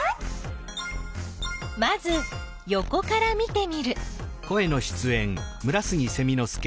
まずよこから見てみる。